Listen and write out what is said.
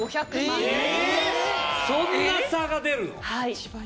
はい。